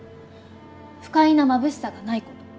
不快なまぶしさがないこと。